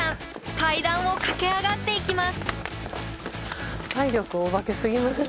階段を駆け上がっていきます！